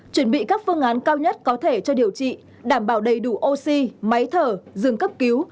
chuẩn bị các phương án cao nhất có thể cho điều trị đảm bảo đầy đủ oxy máy thở dường cấp cứu